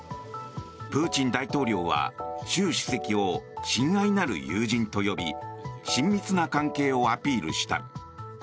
プーチン大統領は習主席を親愛なる友人と呼び親密な関係をアピールした。